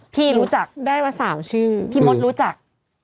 พี่รู้จักพี่มดรู้จัก